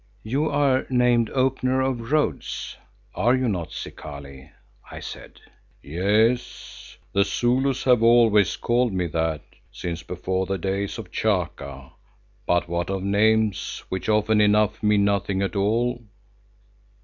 "You are named 'Opener of Roads,' are you not, Zikali?" I said. "Yes, the Zulus have always called me that, since before the days of Chaka. But what of names, which often enough mean nothing at all?"